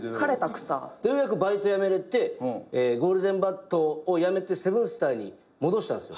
バイト辞めれてゴールデンバットをやめてセブンスターに戻したんすよ。